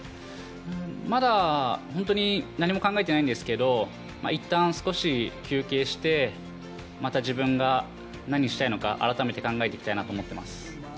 まだ何も考えていないんですけどいったん少し休憩してまた自分が何をしたいのか改めて考えていきたいなと思っています。